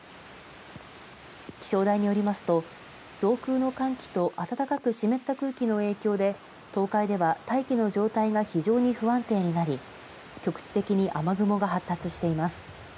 気象台によりますと上空の寒気と暖かく湿った空気の影響で東海では大気の状態が非常に不安定になり局地的に雨雲が発達しています。